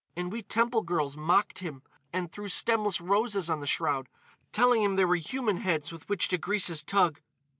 And we temple girls mocked him and threw stemless roses on the shroud, telling him they were human heads with which to grease his toug."